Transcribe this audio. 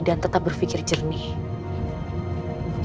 dan tetap berpikir jernih